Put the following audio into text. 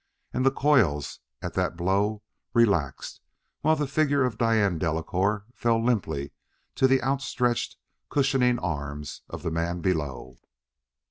And the coils, at that blow, relaxed, while the figure of Diane Delacouer fell limply to the outstretched, cushioning arms of the man below....